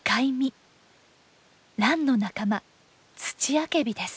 ランの仲間ツチアケビです。